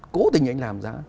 cố tình anh làm giá